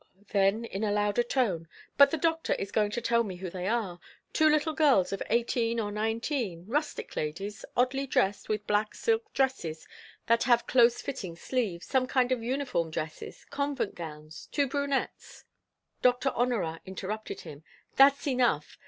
Then, in a louder tone: "But the doctor is going to tell me who they are. Two little girls of eighteen or nineteen, rustic ladies, oddly dressed, with black silk dresses that have close fitting sleeves, some kind of uniform dresses, convent gowns two brunettes " Doctor Honorat interrupted him: "That's enough.